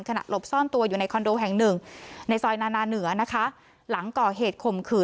ขนาดลบซ่อนตัวอยู่ในคอนโดแฮ่งหนึ่งในซอยนานาเหนือ